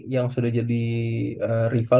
yang sudah jadi rival